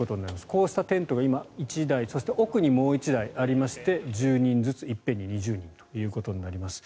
こうしたテントが今、１台そして奥にもう１台ありまして１０人ずつ一遍に２０人ということになります。